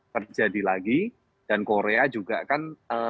terjadi lagi dan korea juga kan